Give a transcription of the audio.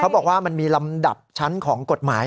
บอกว่ามันมีลำดับชั้นของกฎหมาย